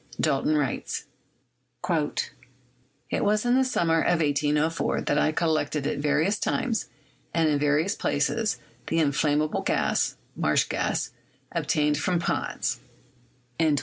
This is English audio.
Dalton writes : "It was in the summer of 1804 that I collected at various times and in various places the inflammable gas [marsh gas] obtained from ponds."